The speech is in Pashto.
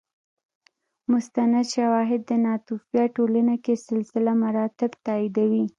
مستند شواهد د ناتوفیا ټولنه کې سلسله مراتب تاییدوي